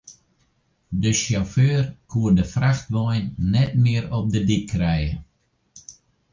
De sjauffeur koe de frachtwein net mear op de dyk krije.